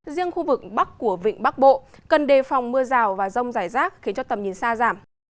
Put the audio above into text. riêng khu vực bắc của vịnh bắc bộ cần đề phòng mưa rào và rông rải rác khiến cho tầm nhìn xa giảm